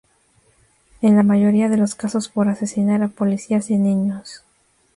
En la mayoría de los casos por asesinar a policías y niños.